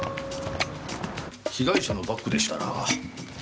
被害者のバッグでしたら。